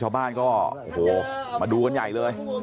ชาวบ้านในพื้นที่บอกว่าปกติผู้ตายเขาก็อยู่กับสามีแล้วก็ลูกสองคนนะฮะ